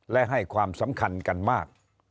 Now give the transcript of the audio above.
และให้ความสำคัญกันมาก